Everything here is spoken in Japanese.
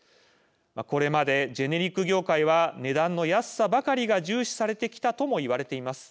これまでジェネリック業界は値段の安さばかりが重視されてきたとも言われています。